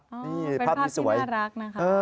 เป็นภาพที่น่ารักนะคะ